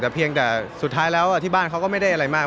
แต่เพียงแต่สุดท้ายแล้วที่บ้านเขาก็ไม่ได้อะไรมาก